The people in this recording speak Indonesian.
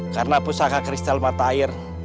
karena pusaka kristal mata air